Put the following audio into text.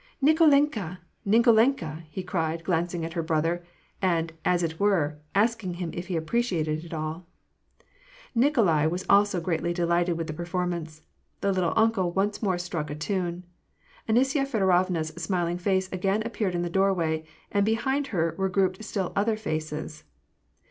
" Nikolenka ! Nikolenka !" he cried, glancing at her brother, and, as it were, asking him if he appreciated it all. Nikolai also was greatly delighted with the performance. The " little uncle " once more struck a tune. Anisya Feodo Tovna's smiling face again appeared in the doorway, and be hind her were grouped still other faces.